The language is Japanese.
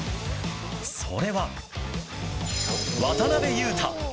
それは。渡邊雄太。